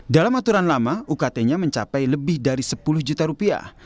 dalam aturan lama ukt nya mencapai lebih dari sepuluh juta rupiah